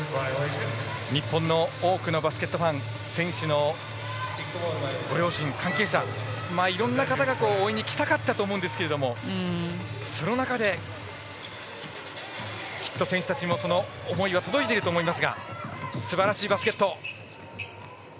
日本の多くのバスケットファン選手のご両親関係者、いろんな方々が応援に行きたかったと思うんですがその中できっと選手たちもその思いが届いていると思います。